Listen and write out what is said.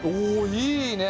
いいね！